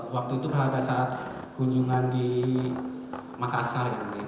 waktu itu berharga saat kunjungan di makassar